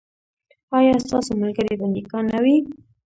ایا ستاسو ملګري به نیکان نه وي؟